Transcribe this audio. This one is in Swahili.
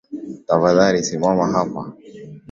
Tafadhali simama hapa.